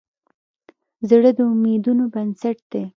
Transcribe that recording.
زړه د امیدونو بنسټ دی.